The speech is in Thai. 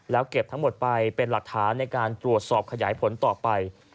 แล้วเก็บทั้งหมดไปเป็นหลักฐานในการตรวจสอบขยายผลต่อไป